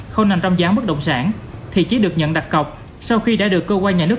không nằm trong giá bất động sản thì chỉ được nhận đặt cọc sau khi đã được cơ quan nhà nước